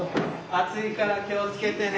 熱いから気を付けてね。